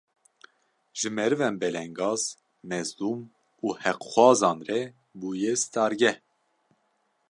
Ji merivên belengaz, mezlum û heqxwazan re bûye stargeh